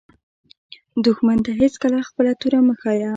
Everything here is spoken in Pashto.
دښمن ته هېڅکله خپله توره مه ښایه